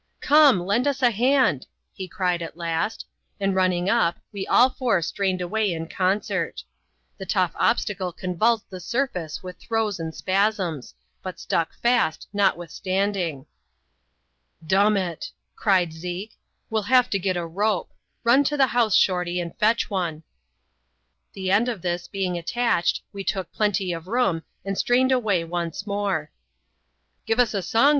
''Come! lend us a hand!" he cried, at last; and, rmraing up, we all four strained away in concert. The tough obstacle convulsed the surface with throes and spasms ; but stuck fast^ notwithstanding. "Dumn it!*' cried Zeke, " we'll have to get a rope ; run to the house, Shorty, and fetch one." The end of this being attached, we took plenty of room, and strained away once more. Give us a song.